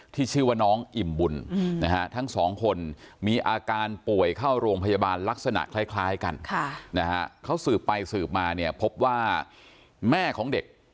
ที่ชื่อว่าน้องอิ่มบุญทั้งสองคนมีอาการป่วยเข้าร่วงพยาบาลลักษณะคล้ายกัน